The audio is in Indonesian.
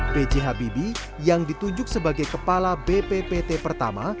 pj habibie yang ditunjuk sebagai kepala bppt pertama